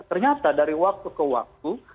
ternyata dari waktu ke waktu